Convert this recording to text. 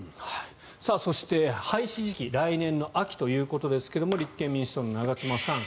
そして、廃止時期来年の秋ということですが立憲民主党の長妻さん。